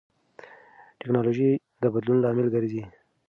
ټیکنالوژي د بدلون لامل ګرځي.